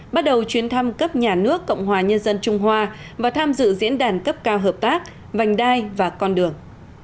bắt đầu chuyến thăm cấp nhà nước cộng hòa nhân dân trung hoa và tham dự diễn đàn cấp cao hợp tác vành đai và con đường